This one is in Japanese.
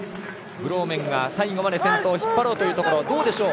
ブローメンが最後まで先頭を引っ張ろうというところ。